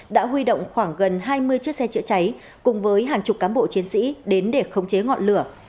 đã huy động khoảng gần hai mươi chiếc xe chữa cháy cùng với hàng chục cán bộ chiến sĩ đến để khống chế ngọn lửa